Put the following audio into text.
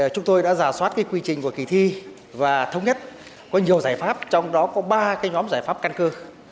chúng tôi đã giả soát quy trình của kỳ thi và thống nhất có nhiều giải pháp trong đó có ba nhóm giải pháp căn cơ